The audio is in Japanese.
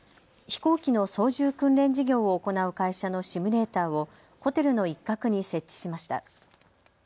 飛行機の操縦訓練事業を行う会社のシミュレーターをホテルの一角に設置しました。